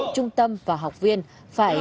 trung tâm và học viên phải